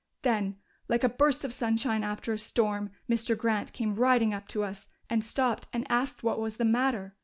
Then, like a burst of sunshine after a storm, Mr. Grant came riding up to us and stopped and asked what was the matter.